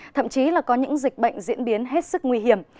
thậm chí là có những dịch bệnh diễn biến hết sức nguy hiểm